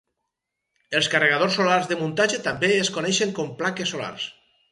Els carregadors solars de muntatge també es coneixen com plaques solars.